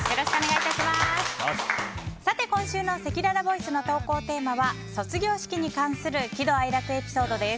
今週のせきららボイスの投稿テーマは卒業式に関する喜怒哀楽エピソードです。